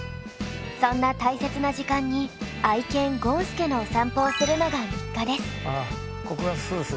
そんな大切な時間に愛犬ごんすけのお散歩をするのが日課です。